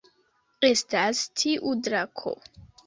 Estas tiu drako